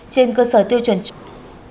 trên cơ sở tiêu chuẩn trung ương